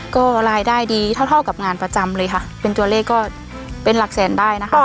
ก็รายได้ดีเท่าเท่ากับงานประจำเลยค่ะเป็นตัวเลขก็เป็นหลักแสนได้นะคะ